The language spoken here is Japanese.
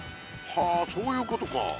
はあそういうことか。